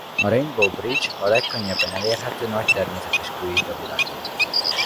A Rainbow Bridge a legkönnyebben elérhető nagy természetes kőhíd a világon.